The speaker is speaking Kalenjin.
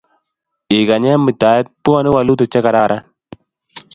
Ikany eng muitaet, pwoni walutik che kararan